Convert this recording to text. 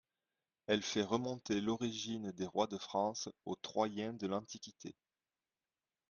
Elle fait remonter l’origine des rois de France aux Troyens de l'Antiquité.